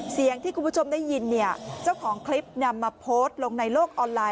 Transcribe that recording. เสียงที่คุณผู้ชมได้ยินเนี่ยเจ้าของคลิปนำมาโพสต์ลงในโลกออนไลน